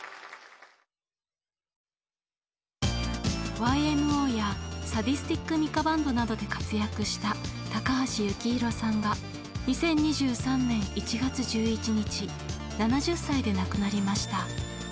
ＹＭＯやサディスティック・ミカ・バンドなどで活躍した高橋幸宏さんが２０２３年１月１１日７０歳で亡くなりました。